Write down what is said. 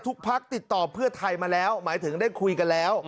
พักติดต่อเพื่อไทยมาแล้วหมายถึงได้คุยกันแล้ว